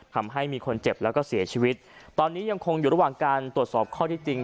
ทำให้มีคนเจ็บแล้วก็เสียชีวิตตอนนี้ยังคงอยู่ระหว่างการตรวจสอบข้อที่จริง